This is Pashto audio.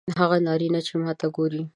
هغه نارینه چې ماته ګوري